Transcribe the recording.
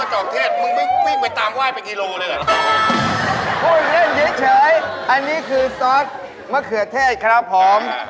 เหมือนกันมากกับแอค